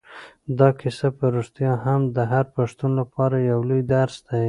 دا کیسه په رښتیا هم د هر پښتون لپاره یو لوی درس دی.